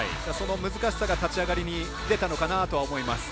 難しさが立ち上がりに出たのかなと思います。